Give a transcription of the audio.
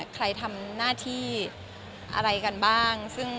ใครทำหน้าที่อะไรกันบ้าง